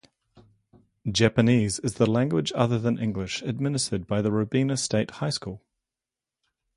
Japanese is the Language Other Than English administered at Robina State High School.